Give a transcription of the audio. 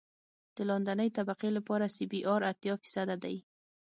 د لاندنۍ طبقې لپاره سی بي ار اتیا فیصده دی